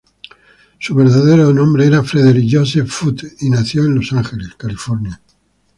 Su verdadero nombre era Frederick Joseph Foote, y nació en Los Ángeles, California.